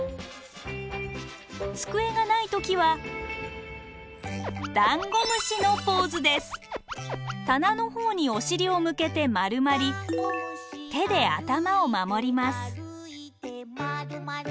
机がない時は棚の方にお尻を向けて丸まり手で頭を守ります。